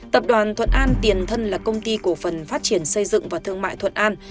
tập đoàn thuận an tiền thân là công ty cổ phần phát triển xây dựng và thương mại thuận an